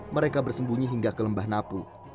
mereka bersembunyi hingga ke lembah napu